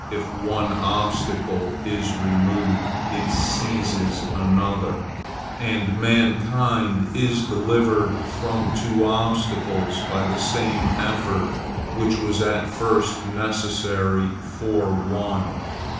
_ If one obstacle is removed, it seizes another, and mankind is delivered from two obstacles by the same effort which was at first necessary for one.